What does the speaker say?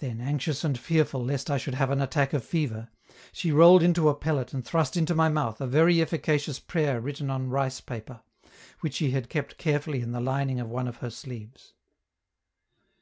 Then, anxious and fearful lest I should have an attack of fever, she rolled into a pellet and thrust into my mouth a very efficacious prayer written on rice paper, which she had kept carefully in the lining of one of her sleeves.